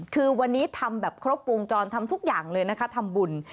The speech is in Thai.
คือวันนี้ทำแบบครบวงจรทำทุกอย่างเลยนะคะทำบุญ